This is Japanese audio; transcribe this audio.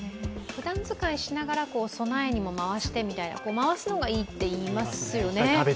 ふだん使いしながら備えにも回してって回すのがいいっていいますよね。